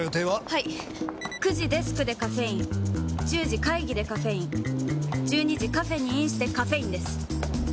はい９時デスクでカフェイン１０時会議でカフェイン１２時カフェにインしてカフェインです！